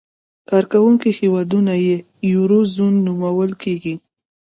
کاروونکي هېوادونه یې یورو زون نومول کېږي.